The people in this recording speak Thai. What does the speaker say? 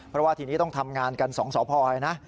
เพราะว่าทีนี้ต้องทำงานกันสองสอบพอร์ให้นะ